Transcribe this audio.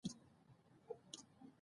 ژوندی دې وي زموږ ګران افغانستان.